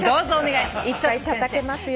いっぱいたたけますように。